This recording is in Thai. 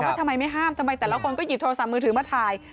ทำไมไม่ห้ามทำไมแต่ละคนก็หยิบโทรศัพท์มือถือมาถ่าย